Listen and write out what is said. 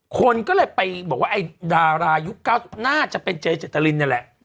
คนก็เลยไปบอกว่าไอ้ดารายุค๙๐น่าจะเป็นเจเจตรินนี่แหละ